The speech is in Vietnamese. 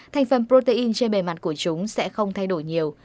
thành phần protein trên bề mặt của chúng sẽ không thay đổi nhiều